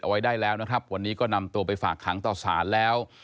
ไว้ได้แล้วนะครับวันนี้ก็นำตัวไปฝากขังต่อสารแล้ว